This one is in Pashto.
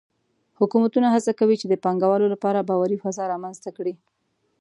حکومتونه هڅه کوي چې د پانګهوالو لپاره باوري فضا رامنځته کړي.